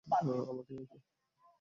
আমাকে নিয়ে কী?